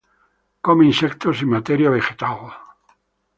Come insectos y materia vegetal.